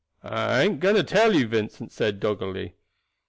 "I ain't going to tell you," Vincent said doggedly.